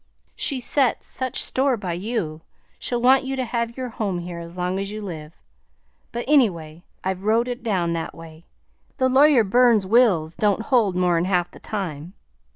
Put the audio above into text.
She sets such store by you, she'll want you to have your home here as long's you live, but anyway I've wrote it down that way; though Lawyer Burns's wills don't hold more'n half the time.